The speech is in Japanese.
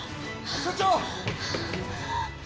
署長！